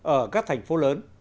ở các thành phố lớn